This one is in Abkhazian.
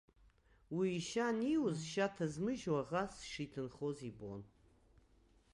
Уи ишьа аниуз зшьа ҭазмыжьуаз аӷа сшиҭынхоз ибон.